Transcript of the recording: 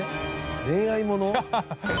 恋愛もの？